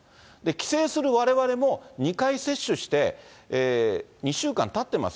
帰省するわれわれも２回接種して、２週間たってます。